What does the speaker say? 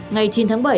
ngày chín tháng bảy